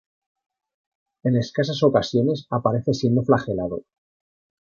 En escasas ocasiones aparece siendo flagelado.